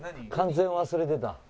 完全忘れてた。